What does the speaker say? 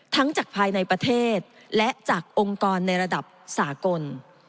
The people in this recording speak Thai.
จากภายในประเทศและจากองค์กรในระดับสากล